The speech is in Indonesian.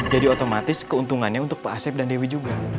jadi otomatis keuntungannya untuk pak asep dan dewi juga